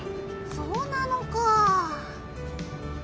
そうなのかあ。